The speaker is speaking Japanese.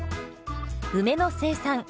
梅の生産